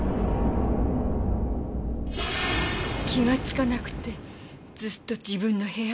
気がつかなくてずっと自分の部屋に。